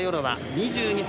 ２２歳。